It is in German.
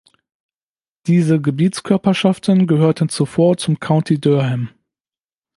Diese Gebietskörperschaften gehörten zuvor zum County Durham.